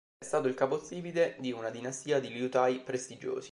È stato il capostipite di una dinastia di liutai prestigiosi.